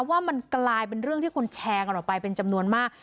ว่ามันกลายเป็นเรื่องที่คนแชร์กันออกไปเป็นจำนวนมาก